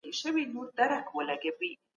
د مشر واک څومره دی؟